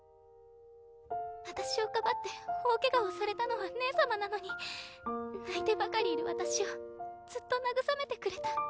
私をかばって大ケガをされたのは姉様なのに泣いてばかりいる私をずっと慰めてくれた。